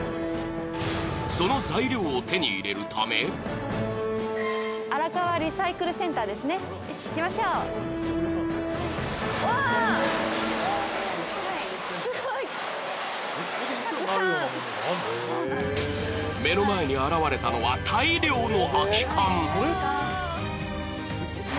その材料を手に入れるため目の前に現れたのは大量の空き缶。